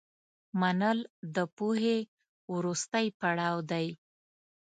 منل د پوهې وروستی پړاو دی.